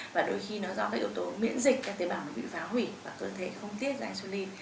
và đôi khi nó do cái yếu tố miễn dịch cái tế bào nó bị phá hủy và cơ thể không tiết ra insulin